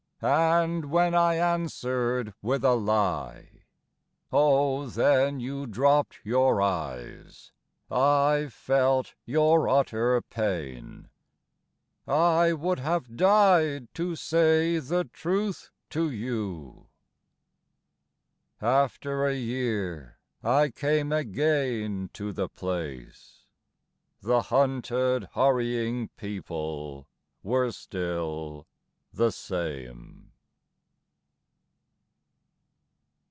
And when I answered with a lie. Oh then You dropped your eyes. I felt your utter pain. I would have died to say the truth to you. After a year I came again to the place The hunted hurrying people were still the same....